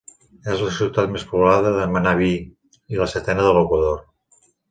És la ciutat més poblada de Manabí i la setena de l'Equador.